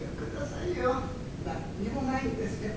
「何にもないんですよ。